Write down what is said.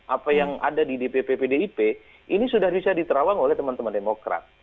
apa yang ada di dpp pdip ini sudah bisa diterawang oleh teman teman demokrat